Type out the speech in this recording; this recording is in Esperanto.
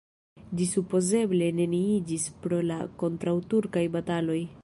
Ĝi supozeble neniiĝis pro la kontraŭturkaj bataloj.